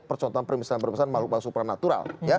percontohan primis dan perbesaran makhluk makhluk supranatural